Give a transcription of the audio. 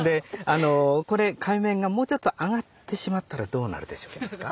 これ海面がもうちょっと上がってしまったらどうなるでしょういけますか？